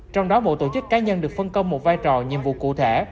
trong đó một tổ chức cá nhân được phân công một vai trò nhiệm vụ cụ thể